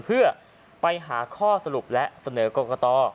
เพื่อไปหาข้อสรุปและเสนอกรกต